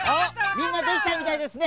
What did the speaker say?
みんなできたみたいですね。